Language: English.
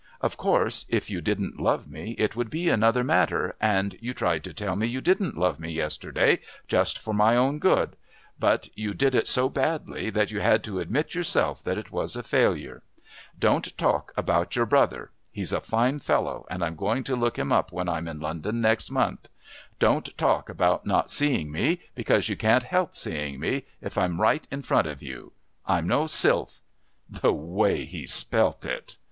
Of course if you didn't love me it would be another matter, and you tried to tell me you didn't love me yesterday just for my good, but you did it so badly that you had to admit yourself that it was a failure. Don't talk about your brother; he's a fine fellow, and I'm going to look him up when I'm in London next month. Don't talk about not seeing me, because you can't help seeing me if I'm right in front of you. I'm no silph. (The way he spelt it.)